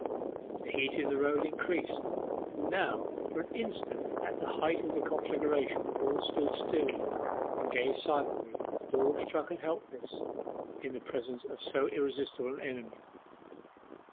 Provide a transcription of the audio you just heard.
The heat in the road increased, and now for an instant at the height of the conflagration all stood still, and gazed silently, awestruck and helpless, in the presence of so irresistible an enemy.